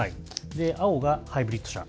青がハイブリッド車。